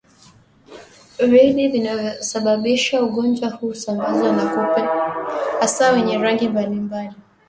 Viini vinavyosababisha ugonjwa huu husambazwa na kupe hasa wenye rangi mbalimbali